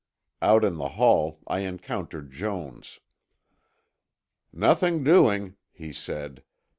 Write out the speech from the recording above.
Out in the hall I encountered Jones. "Nothing doing," he said.